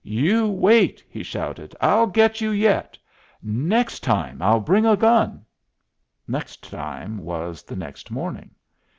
"You wait!" he shouted. "I'll get you yet! Next time, I'll bring a gun." Next time was the next morning.